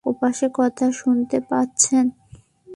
ওইপাশে কথা শুনতে পাচ্ছেন?